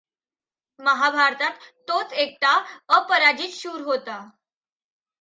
महाभारतात तोच एकटा अपराजित शूर होता.